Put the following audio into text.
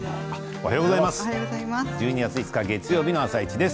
おはようございます。